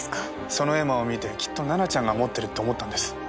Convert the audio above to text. その絵馬を見てきっと奈々ちゃんが持ってるって思ったんです。